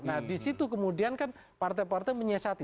nah di situ kemudian kan partai partai menyesati